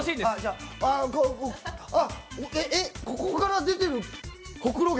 あっ、ここから出てるほくろ毛